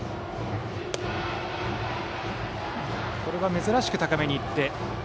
これは珍しく高めにいって。